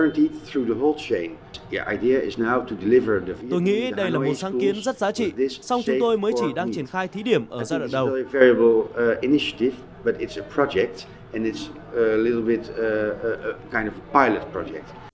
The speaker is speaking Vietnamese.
tôi nghĩ đây là một sáng kiến rất giá trị song chúng tôi mới chỉ đang triển khai thí điểm ở giai đoạn đầu